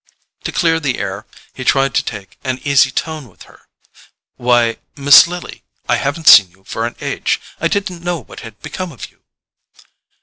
To clear the air he tried to take an easy tone with her. "Why, Miss Lily, I haven't seen you for an age. I didn't know what had become of you."